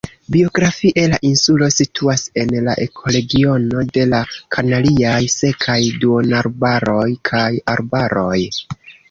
Biogeografie la insulo situas en la ekoregiono de la kanariaj sekaj duonarbaroj kaj arbaroj.